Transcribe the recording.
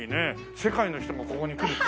世界の人がここに来るって。